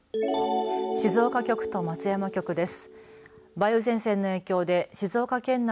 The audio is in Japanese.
静岡局と松山局です。